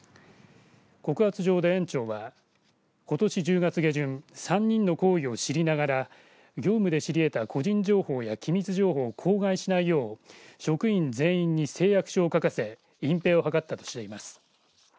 告発状で園長はことし１０月下旬３人の行為を知りながら業務で知り得た個人情報や機密情報を口外しないよう職員全員に誓約書を書かせ隠蔽を図ったとしています。